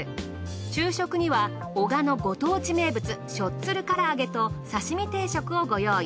昼食には男鹿のご当地名物しょっつる空上げと刺身定食をご用意。